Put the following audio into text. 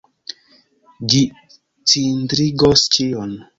Ĝi cindrigos ĉion.